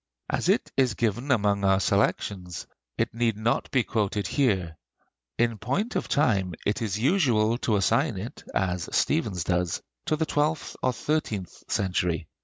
As it is given among our selections, it need not be quoted here. In point of time it is usual to assign it, as Stephens does, to the twelfth or thirteenth century.